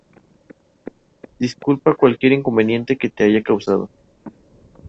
Kemp estuvo casado con la actriz Sadie Frost.